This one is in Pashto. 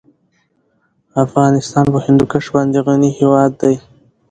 افغانستان په هندوکش باندې غني هېواد دی.